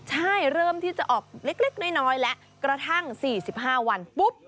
ใช่เริ่มที่จะออกเล็กน้อยแล้วกระทั่ง๔๕วันปุ๊บ